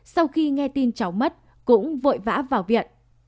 sau khi nghe tin cháu mất cũng vội vã vào viện